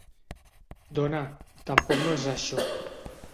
Dona, tampoc no és això.